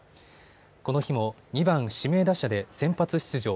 この日も２番・指名打者で先発出場。